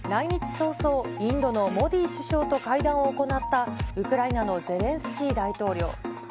早々、インドのモディ首相と会談を行った、ウクライナのゼレンスキー大統領。